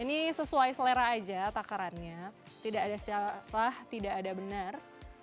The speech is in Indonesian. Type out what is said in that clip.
ini sesuai selera aja takarannya tidak ada siapa tidak ada benar